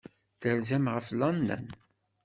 Terzam ɣef London.